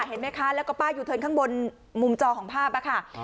เห็นไหมคะแล้วก็ป้ายูเทิร์นข้างบนมุมจอของภาพค่ะ